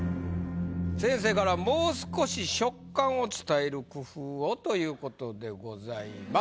先生から「もう少し触感を伝える工夫を！」という事でございます。